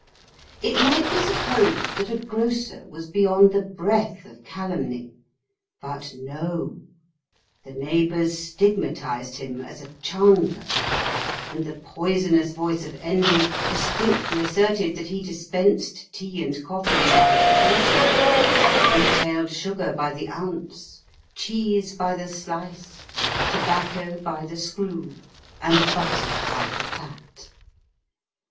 It might be supposed that a grocer was beyond the breath of calumny ; but no the neighbours stigmatised him as a chandler ; and the poisonous voice of envy distinctly asserted that he dispensed tea and coffee by the quartern, retailed sugar by the ounce, cheese by the slice, tobacco by the screw, and butter by the pat.